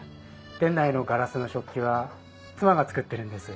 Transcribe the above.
店内のガラスの食器は妻が作ってるんです。